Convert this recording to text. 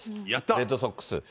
レッドソックス。